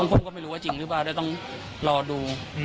คนก็ไม่รู้ว่าจริงหรือเปล่าแต่ต้องรอดู